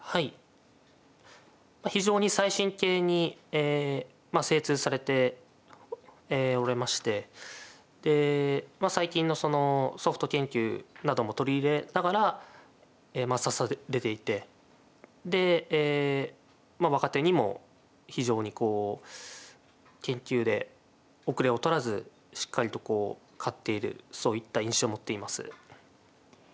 非常に最新形に精通されておられまして最近のソフト研究なども取り入れながら指されていて若手にも非常に研究で後れを取らずしっかりと勝っているそういった印象を持っています。